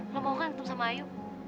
lo mau kan ketuk sama ayu